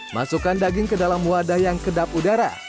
masukkan daging ke dalam wadah yang kedap udara